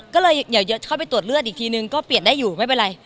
ก็เลยเดี๋ยวเข้าไปตรวจเลือดอีกทีนึงก็เปลี่ยนได้อยู่ไม่เป็นไร